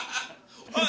おい！